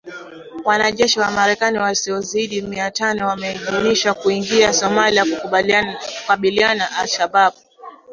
Wanajeshi wa Marekani wasiozidi mia tano wameidhinishwa kuingia Somalia kukabiliana na Al Shabaab